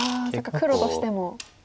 黒としても。